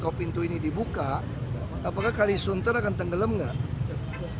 apakah kalisunter akan terlalu tergelam